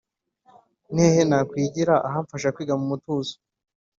ni hehe nakwigira ahamfasha kwiga mu mutuzo?